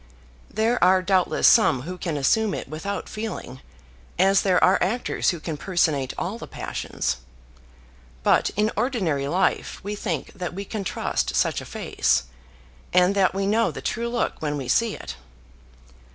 There are doubtless some who can assume it without feeling, as there are actors who can personate all the passions. But in ordinary life we think that we can trust such a face, and that we know the true look when we see it.